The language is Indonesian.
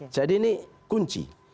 jadi ini kunci